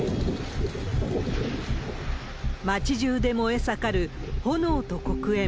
街じゅうで燃え盛る炎と黒煙。